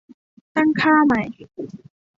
ตั้งค่าใหม่